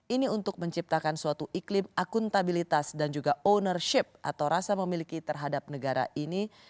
ini untuk menciptakan suatu iklim akuntabilitas dan juga ownership atau rasa memiliki terhadap negara ini